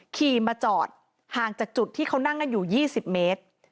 ขี่มาจอดห่างจากจุดที่เขานั่งกันอยู่๒๐เมตร